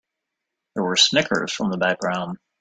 There were snickers from the background.